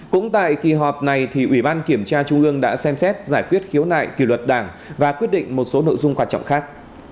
cũng tại kỳ họp này thì ủy ban kiểm tra trung ương đã xem xét giải quyết khiếu nại kỷ luật đảng và quyết định một số nội dung quan trọng khác